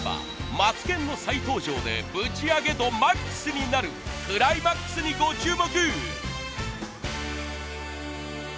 マツケンの再登場でぶち上げ度マックスになるクライマックスにご注目！